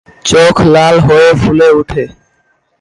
চোখ লাল হয়ে ফুলে উঠে।